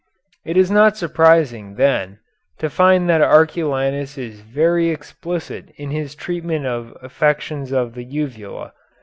It is not surprising, then, to find that Arculanus is very explicit in his treatment of affections of the uvula.